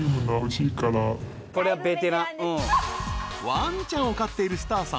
［ワンちゃんを飼っているスターさん］